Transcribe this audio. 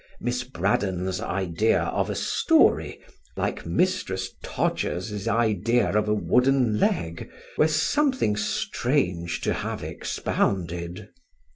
Miss Braddon's idea of a story, like Mrs. Todgers's idea of a wooden leg, were something strange to have expounded.